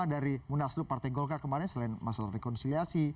dari munaslup partai golkar kemarin selain masalah rekonsiliasi